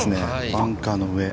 バンカーの上。